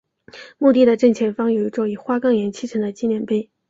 墓地的正前方有一座以花岗岩砌成的纪念碑。